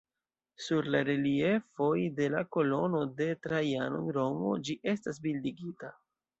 Sur la reliefoj de la Kolono de Trajano en Romo ĝi estas bildigita.